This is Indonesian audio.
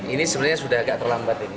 ini sebenarnya sudah agak terlambat ini